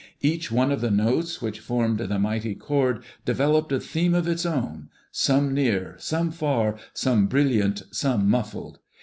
Each one of the notes which formed the mighty chord developed a theme of its own, some near, some far, some brilliant, some muffled.